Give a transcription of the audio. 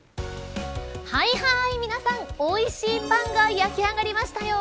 はいはい、皆さん、おいしいパンが焼き上がりましたよ。